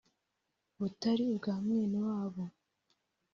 butari ubwa mwene wabo